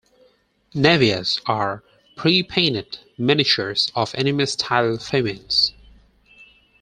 "Navias" are prepainted miniatures of anime-style females.